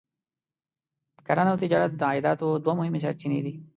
کرنه او تجارت د عایداتو دوه مهمې سرچینې دي.